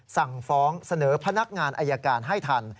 สั่งฟ้องเสนอพนักงานอายการให้ทัน